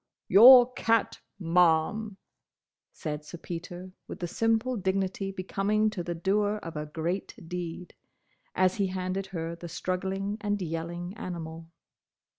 "Your cat, Ma'am," said Sir Peter with the simple dignity becoming to the doer of a great deed, as he handed her the struggling and yelling animal.